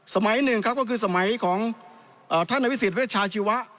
สมัยหนึ่งก็คือสมัยของท่านอวิสิทธิ์เวชาชีวะ